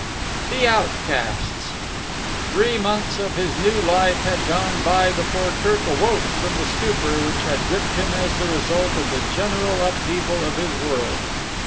The Outcasts Three months of his new life had gone by before Kirk awoke from the stupor which had gripped him as the result of the general upheaval of his world.